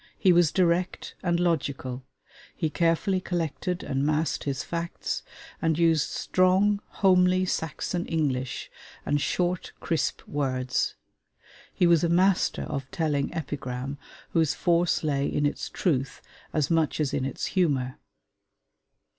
He was direct and logical; he carefully collected and massed his facts, and used strong, homely Saxon English, and short crisp words; he was a master of telling epigram whose force lay in its truth as much as in its humor.